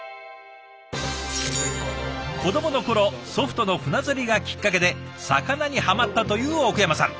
子どもの頃祖父との船釣りがきっかけで魚にはまったという奥山さん。